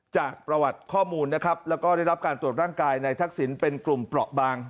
จากประวัติข้อมูลและได้รับการตรวจร่างกายในทักษิณเป็นกลุ่มปลอบาง